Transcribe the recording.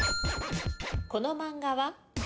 この漫画は？